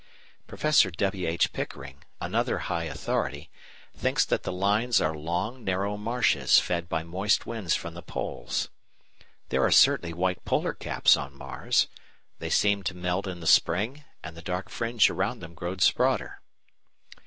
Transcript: Professor W. H. Pickering, another high authority, thinks that the lines are long, narrow marshes fed by moist winds from the poles. There are certainly white polar caps on Mars. They seem to melt in the spring, and the dark fringe round them grows broader.